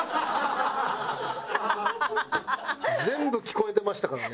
全部聞こえてましたからね。